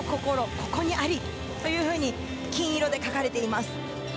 ここにありと金色で書かれています。